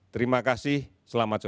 terima kasih selamat sore